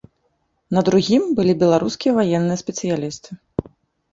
На другім былі беларускія ваенныя спецыялісты.